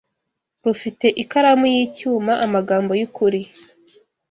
rufite ikaramu y'icyuma amagambo y'ukuri